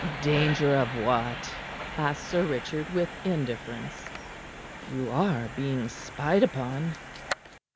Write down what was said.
"Danger of what?" asked Sir Richard, with indifference. "You are being spied upon."